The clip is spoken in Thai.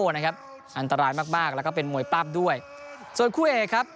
นะครับอันตรายมากมากแล้วก็เป็นมวยปั้มด้วยส่วนคู่เอกครับ